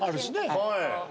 はい。